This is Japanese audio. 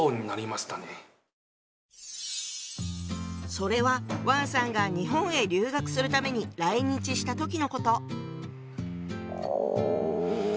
それは王さんが日本へ留学するために来日した時のこと。